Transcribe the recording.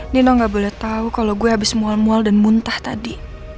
nino gak boleh tahu kalau gue habis mual mual dan muntah tadi